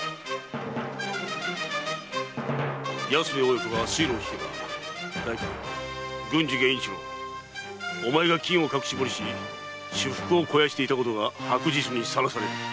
安兵衛親子が水路を引けば代官・郡司源一郎お前が金を隠し掘りし私腹を肥やしていたことが白日にさらされる。